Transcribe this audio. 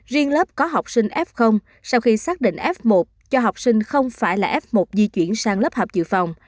riêng lớp có học sinh f sau khi xác định f một cho học sinh không phải là f một di chuyển sang lớp học dự phòng